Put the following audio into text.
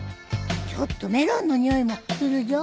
ちょっとメロンの匂いもするじょ。